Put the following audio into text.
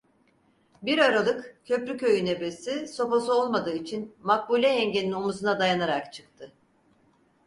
Bir aralık Köprüköy'ün ebesi, sopası olmadığı için, Makbule yengenin omzuna dayanarak çıktı.